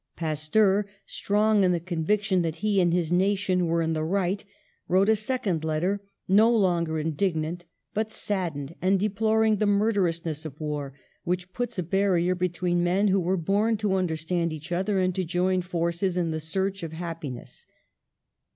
Pasteur, strong in the conviction that he and his nation were in the right, wrote a second letter, no longer indig nant, but saddened and deploring the murder ousness of war, which puts a barrier between men who were born to understand each other and to join forces in the search of happiness.